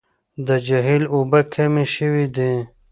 د جهيل اوبه کمې شوې دي.